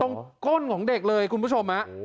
ก้นของเด็กเลยคุณผู้ชม